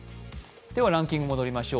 ランキングに戻りましょう。